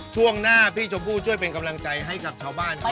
ช่วงหน้าพี่ชมพู่ช่วยเป็นกำลังใจให้กับชาวบ้านครับ